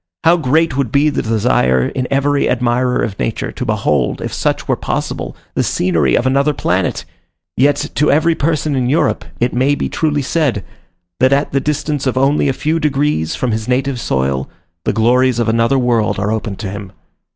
How great would be the desire in every admirer of nature to behold, if such were possible, the scenery of another planet! yet to every person in Europe, it may be truly said, that at the distance of only a few degrees from his native soil, the glories of another world are opened to him.